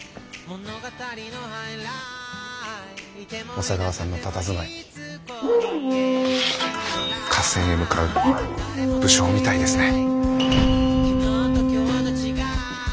小佐川さんのたたずまい合戦へ向かう武将みたいですね。